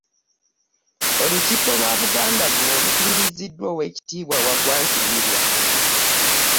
Olukiiko lwa Buganda luno lukubiriziddwa oweekitibwa Wagwa Nsibirwa.